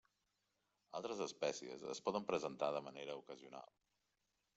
Altres espècies es poden presentar de manera ocasional.